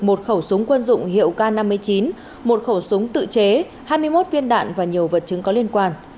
một khẩu súng quân dụng hiệu k năm mươi chín một khẩu súng tự chế hai mươi một viên đạn và nhiều vật chứng có liên quan